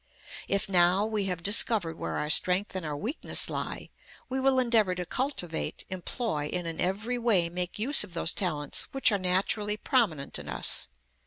If, now, we have discovered where our strength and our weakness lie, we will endeavour to cultivate, employ, and in every way make use of those talents which are naturally prominent in us.